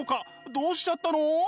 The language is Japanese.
どうしちゃったの？